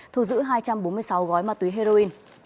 thu giữ hai trăm bốn mươi sáu gói ma túy heroin